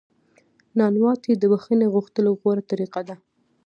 نانواتې د بخښنې غوښتلو غوره طریقه ده.